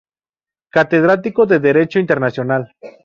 Catedrático de Derecho internacional.